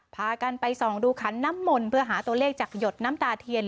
พากันไปส่องดูขันน้ำมนต์เพื่อหาตัวเลขจากหยดน้ำตาเทียน